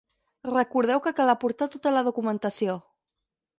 Recordeu que cal aportar tota la documentació.